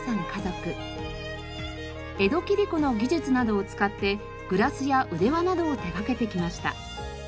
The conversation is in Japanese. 江戸切子の技術などを使ってグラスや腕輪などを手掛けてきました。